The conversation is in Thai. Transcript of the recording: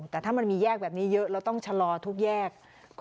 แต่ถ้ามันมีแยกแบบนี้เยอะแล้วต้องชะลอทุกแยก